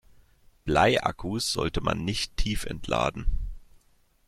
Bleiakkus sollte man nicht tiefentladen.